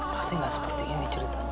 pasti nggak seperti ini ceritanya